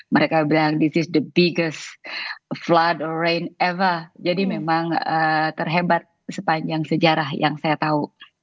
mereka bilang ini adalah terbesar terburu atau hujan yang pernah jadi memang terhebat sepanjang sejarah yang saya tahu